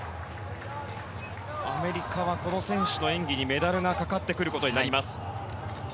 アメリカはこの選手の演技にメダルがかかってくることになります。